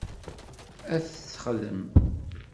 Ad t-texdem.